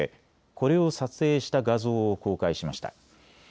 これを撮影した画像を公開しました。